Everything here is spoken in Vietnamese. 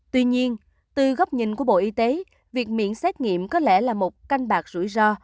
tuy nhiên từ góc nhìn của bộ y tế việc miễn xét nghiệm có lẽ là một canh bạc rủi ro